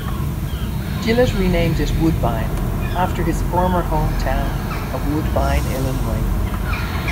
Gillett renamed it Woodbine after his former hometown of Woodbine, Illinois.